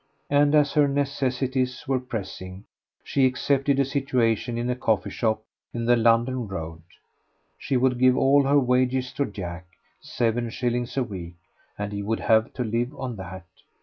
And as her necessities were pressing, she accepted a situation in a coffee shop in the London Road. She would give all her wages to Jack, seven shillings a week, and he would have to live on that.